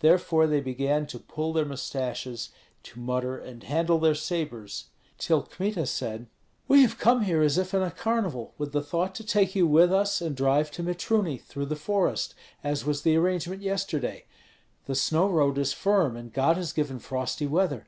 Therefore they began to pull their mustaches, to mutter and handle their sabres, till Kmita said, "We have come here as if in a carnival, with the thought to take you with us and drive to Mitruny through the forest, as was the arrangement yesterday. The snow road is firm, and God has given frosty weather."